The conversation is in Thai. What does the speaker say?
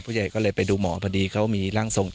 ผู้ใหญ่ก็เลยไปดูหมอพอดีเขามีร่างทรง